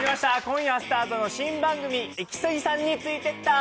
今夜スタートの新番組イキスギさんについてった！